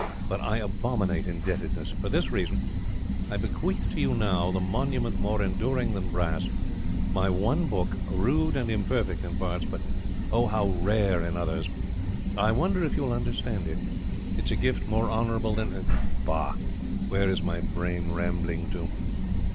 But I abominate indebtedness. For this reason I bequeath to you now the monument more enduring than brass my one book rude and imperfect in parts, but oh, how rare in others! I wonder if you will understand it. It is a gift more honorable than... Bah! where is my brain rambling to?